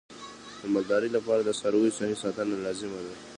د مالدارۍ لپاره د څارویو صحي ساتنه لازمي ده.